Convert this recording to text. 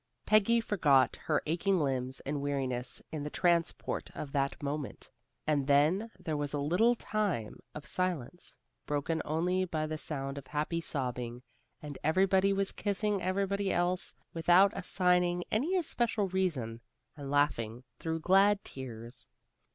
Peggy forgot her aching limbs and weariness in the transport of that moment. And then there was a little time of silence, broken only by the sound of happy sobbing, and everybody was kissing everybody else, without assigning any especial reason, and laughing through glad tears.